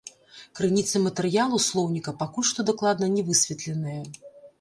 Крыніцы матэрыялу слоўніка пакуль што дакладна не высветленыя.